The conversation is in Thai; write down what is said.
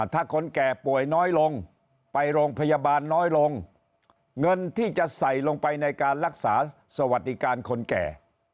ถ้าคนแก่ป่วยน้อยลงไปโรงพยาบาลน้อยลงเงินที่จะใส่ลงไปในการรักษาสวัสดิการคนแก่